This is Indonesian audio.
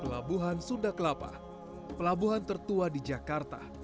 pelabuhan sunda kelapa pelabuhan tertua di jakarta